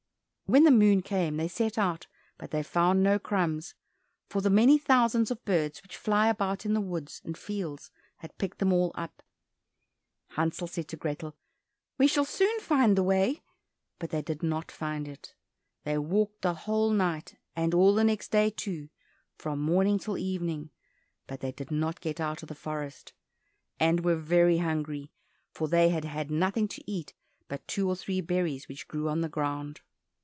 When the moon came they set out, but they found no crumbs, for the many thousands of birds which fly about in the woods and fields had picked them all up. Hansel said to Grethel, "We shall soon find the way," but they did not find it. They walked the whole night and all the next day too from morning till evening, but they did not get out of the forest, and were very hungry, for they had nothing to eat but two or three berries, which grew on the ground.